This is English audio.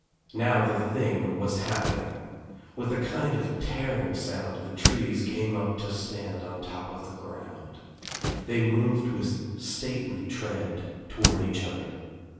Now the thing was happening. With a kind of tearing sound the trees came up to stand on top of the ground. They moved with stately tread toward each other.